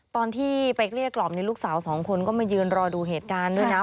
ตอนที่ไปเกลี้ยกล่อมลูกสาวสองคนก็มายืนรอดูเหตุการณ์ด้วยนะ